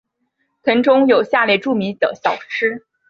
腾冲有下列著名的小吃。